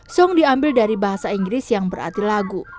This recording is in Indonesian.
song diambil dari bahasa inggris yang berarti lagu